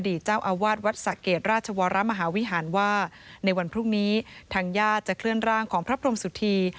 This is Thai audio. เจ้าอาวาสวัดสะเกดราชวรมหาวิหารว่าในวันพรุ่งนี้ทางญาติจะเคลื่อนร่างของพระพรมสุธี